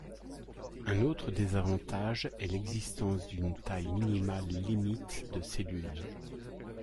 Un autre désavantage est l'existence d'une taille minimale limite de cellule.